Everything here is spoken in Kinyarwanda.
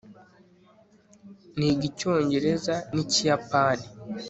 niga icyongereza n'ikiyapani